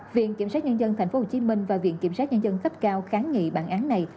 viện kiểm soát nhân dân tp hcm và viện kiểm soát nhân dân khắp cao kháng nghị bản án này